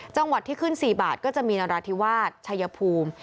จังหวัดที่ขึ้น๔บาทก็จะมีนราธิวาสชัยภูมิ